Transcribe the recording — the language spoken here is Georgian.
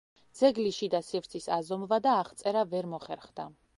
ძეგლის შიდა სივრცის აზომვა და აღწერა ვერ მოხერხდა.